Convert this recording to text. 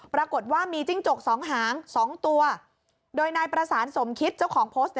ปรากฏว่ามีจิ้งจกสองหาง๒ตัวโดยนายประสานสมคิตเจ้าของโพสต์